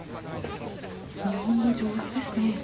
日本語上手ですね。